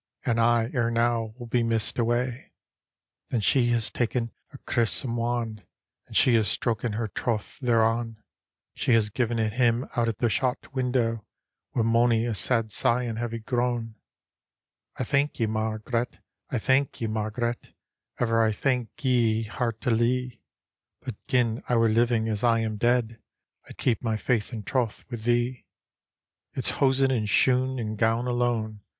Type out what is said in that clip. And I, ere now, wiU be missed away." D,gt,, erihyGOOgle The Haunted Hour Then she has taken a crissom wand, And she has stroken her troth thereon ; She has given it him out at the shot window, Wi' mony a sad sigh and heavy groan. " I thank ye, Mai^'ret; I thank ye, Marg'ret; Ever I thank ye heartUie ; But gin I were living, as I am dead, I'd keep my faith and troth with thee." It's hosen and shoon, and gown alone.